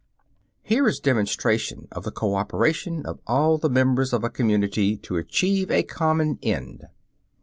Here is demonstration of the cooperation of all the members of a community to achieve a common end.